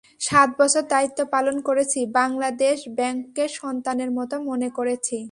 সাত বছর দায়িত্ব পালন করেছি, বাংলাদেশ ব্যাংককে সন্তানের মতো মনে করেছি।